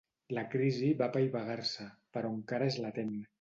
La crisi va apaivagar-se, però encara és latent.